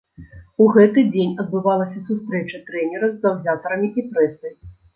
У гэты дзень адбывалася сустрэча трэнера з заўзятарамі і прэсай.